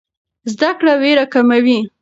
زده کړه ویره کموي.